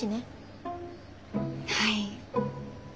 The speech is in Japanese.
はい。